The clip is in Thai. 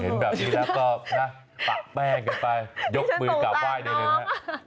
เห็นแบบนี้แล้วก็นะปักแป้งกันไปยกมือกลับไหว้ได้เลยนะครับ